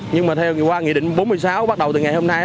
nhưng mà theo qua nghị định bốn mươi sáu bắt đầu từ ngày hôm nay